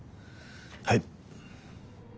はい。